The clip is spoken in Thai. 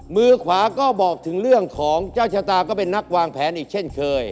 มือขวาก็บอกถึงเรื่องของเจ้าชะตาก็เป็นนักวางแผนอีกเช่นเคย